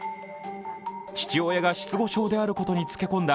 父親が失語症であることにつけ込んだ